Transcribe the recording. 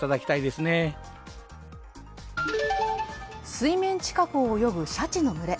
水面近くを泳ぐシャチの群れ。